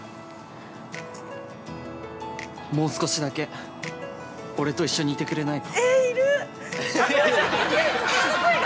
もう少しだけ俺と一緒にいてくれないか？